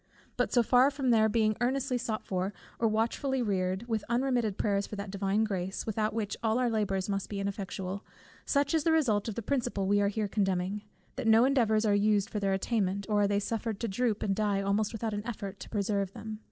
But so far from their being earnestly sought for, or watchfully reared, with unremitted prayers for that Divine Grace, without which all our labours must be ineffectual; such is the result of the principle we are here condemning, that no endeavours are used for their attainment, or they are suffered to droop and die almost without an effort to preserve them.